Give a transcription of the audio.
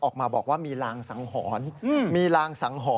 ออกมาบอกว่ามีรางสังหรณ์